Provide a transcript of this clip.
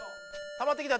たまってきた！